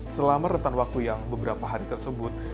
selama rentan waktu yang beberapa hari tersebut